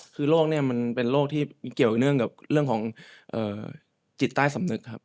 คือโรคนี้มันเป็นโรคที่เกี่ยวเนื่องกับเรื่องของจิตใต้สำนึกครับ